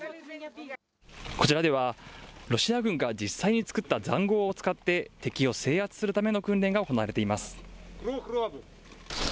こちらでは、ロシア軍が実際に作ったざんごうを使って、敵を制圧するための訓練が行われています。